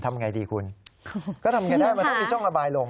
ทำอย่างไรดีคุณก็ทำอย่างไรได้มันต้องมีช่องระบายลม